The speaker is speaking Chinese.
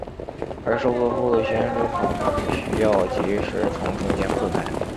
而收割后的咸水草需要即时从中间破开。